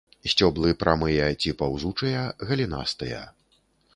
Сцёблы прамыя ці паўзучыя, галінастыя.